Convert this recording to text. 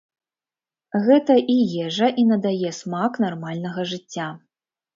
Гэта і ежа, і надае смак нармальнага жыцця.